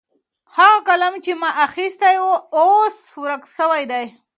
هغه قلم چې ما اخیستی و اوس ورک سوی دی.